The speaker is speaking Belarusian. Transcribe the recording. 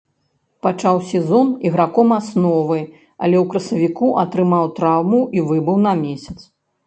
Пачаў сезон іграком асновы, але ў красавіку атрымаў траўму і выбыў на месяц.